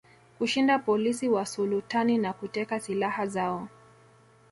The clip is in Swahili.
kushinda polisi wa sulutani na kuteka silaha zao